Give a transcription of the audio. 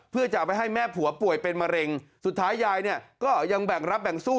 เพื่อจะไปให้แม่ผัวป่วยเป็นมะเร็งสุดท้ายยายเนี่ยก็ยังแบ่งรับแบ่งสู้